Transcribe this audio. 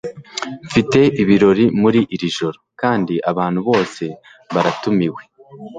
Mfite ibirori muri iri joro kandi abantu bose baratumiwe.